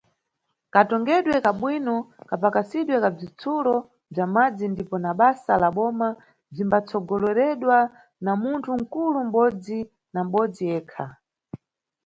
Katongedwe ka bwino, kapakasidwe ka bzitsulo bza madzi ndipo na basa la Boma bzimbatsogoleredwa na munthu nkulu mʼbodzi na mʼbodzi ekha.